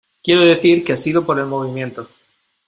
quiero decir que ha sido por el movimiento.